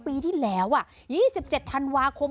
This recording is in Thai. สุดทนแล้วกับเพื่อนบ้านรายนี้ที่อยู่ข้างกัน